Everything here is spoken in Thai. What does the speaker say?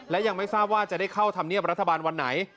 และยังไม่ทราบว่าจะได้เข้าธรรมเนียบรัฐบาลวันไหน